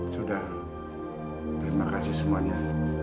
sudah terima kasih semuanya